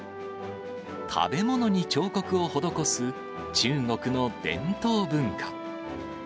食べ物に彫刻を施す、中国の伝統文化。